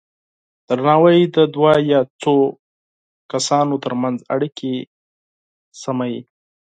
درناوی د دوه یا څو کسانو ترمنځ اړیکې استواروي.